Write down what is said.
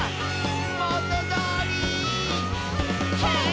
「もとどおり」「ヘイ！」